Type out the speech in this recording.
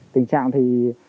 tình trạng thì